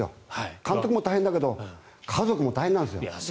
監督も大変だけど家族も大変なんですよ。